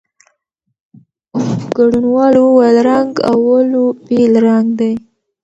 ګډونوالو وویل، رنګ "اولو" بېل رنګ دی.